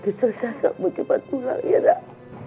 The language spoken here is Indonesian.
kesel kesel bu cepat pulang ya gak